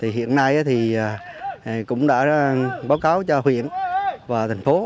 hiện nay cũng đã báo cáo cho huyện và thành phố